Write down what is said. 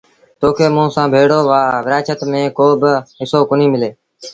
تو کي موٚنٚ سآݩٚ ڀيڙو ورآڇت ميݩ ڪو با هسو ڪونهيٚ ملي۔